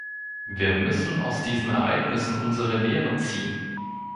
Wir müssen aus diesen Ereignissen unsere Lehren ziehen.